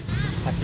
gua apa belum